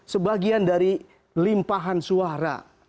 sebagian dari limpahan suara